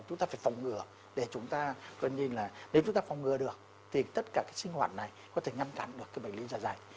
chúng ta phải phòng ngừa để chúng ta có nhìn là nếu chúng ta phòng ngừa được thì tất cả cái sinh hoạt này có thể ngăn cản được cái bệnh lý giả đài